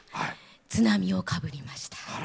津波をかぶりました。